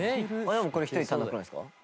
でもこれ１人足りなくないですか？